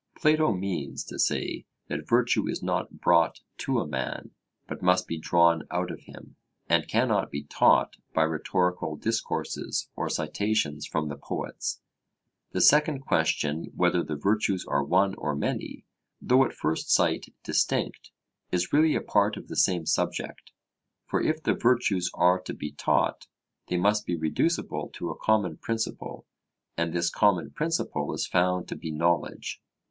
Plato means to say that virtue is not brought to a man, but must be drawn out of him; and cannot be taught by rhetorical discourses or citations from the poets. The second question, whether the virtues are one or many, though at first sight distinct, is really a part of the same subject; for if the virtues are to be taught, they must be reducible to a common principle; and this common principle is found to be knowledge.